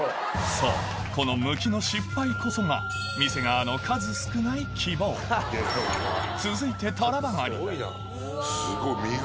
そうこのむきの失敗こそが店側の数少ない希望続いてすごい。